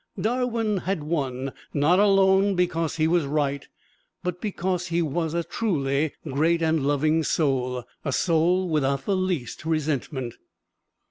Darwin had won, not alone because he was right, but because his was a truly great and loving soul a soul without the least resentment.